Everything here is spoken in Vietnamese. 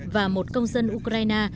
và một công dân ukraine